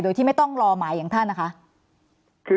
โดยที่ไม่ต้องรอหมายอย่างท่านนะคะ